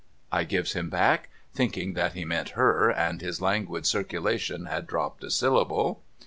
' I gives him back, thinking that he meant her, and his languid circulation had dropped a syllable.